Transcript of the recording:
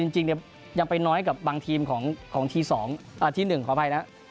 จริงยังไปน้อยกับบางทีมของที่๑